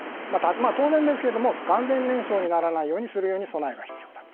当然ですが不完全燃焼にならないようにする備えは必要だと。